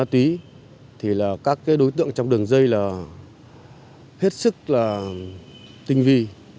thiết sức là tinh vi